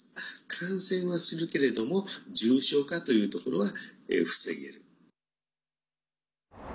感染はするけれども重症化というところは防げる。